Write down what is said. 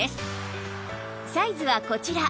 サイズはこちら